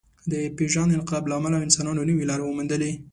د پېژاند انقلاب له امله انسانانو نوې لارې وموندلې.